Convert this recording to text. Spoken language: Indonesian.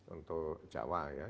untuk jawa ya